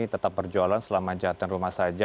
tetap berjualan selama jahatan rumah saja